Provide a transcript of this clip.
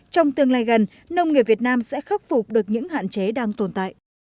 trong tương lai gần nông nghiệp việt nam sẽ khắc phục được những hạn chế đang tồn tại